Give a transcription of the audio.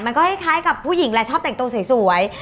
มันก็คล้ายกับผู้หญิงแหละชอบแต่งตัวสวย